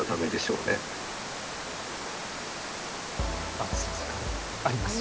暑さ疲れ、あります。